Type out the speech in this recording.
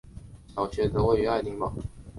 小学则位于爱丁堡皇家植物园北侧。